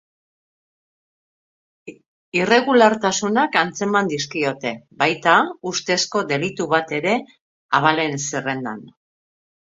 Irregulartasunak antzeman dizkiote, baita ustezko delitu bat ere abalen zerrendan.